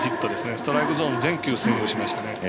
ストライクゾーン全球スイングしましたね。